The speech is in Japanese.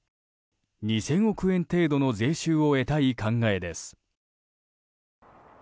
２０００億円程度の税収を得たい考えです。